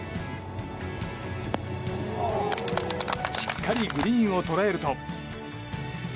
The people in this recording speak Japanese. しっかりグリーンを捉えると。